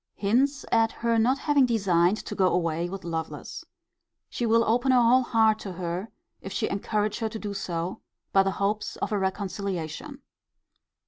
Hints at her not having designed to go away with Lovelace. She will open her whole heart to her, if she encourage her to do so, by the hopes of a reconciliation.